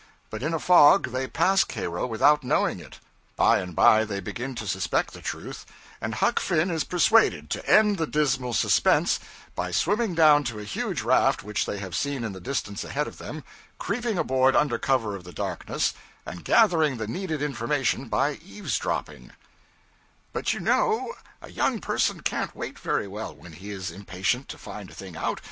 But in a fog, they pass Cairo without knowing it. By and by they begin to suspect the truth, and Huck Finn is persuaded to end the dismal suspense by swimming down to a huge raft which they have seen in the distance ahead of them, creeping aboard under cover of the darkness, and gathering the needed information by eavesdropping: But you know a young person can't wait very well when he is impatient to find a thing out.